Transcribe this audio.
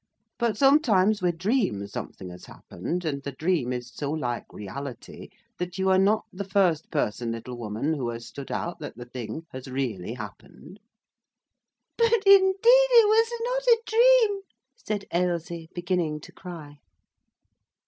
But sometimes we dream something has happened, and the dream is so like reality, that you are not the first person, little woman, who has stood out that the thing has really happened." "But, indeed it was not a dream!" said Ailsie, beginning to cry.